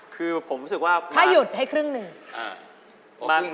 คือผมรู้สึกว่า